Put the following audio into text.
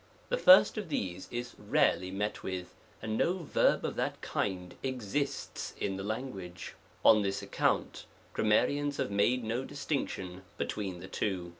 The first of these is rarely met with, and no verb of that kind exists in the language. On this account, gram marians have made no distinction between the two.